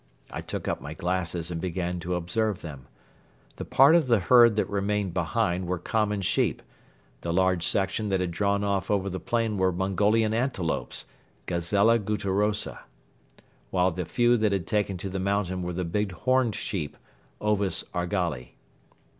I took up my glasses and began to observe them. The part of the herd that remained behind were common sheep; the large section that had drawn off over the plain were Mongolian antelopes (gazella gutturosa); while the few that had taken to the mountain were the big horned sheep (ovis argali).